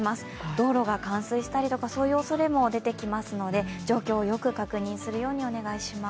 道路が冠水したりとかそういうおそれも出てきますので状況をよく確認するようにお願いします。